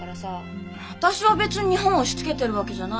私は別に日本を押しつけてるわけじゃないわよ。